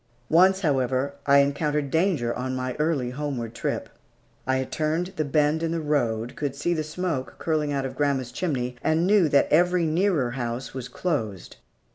Once, however, I encountered danger on my early homeward trip. I had turned the bend in the road, could see the smoke curling out of grandma's chimney, and knew that every nearer house was closed.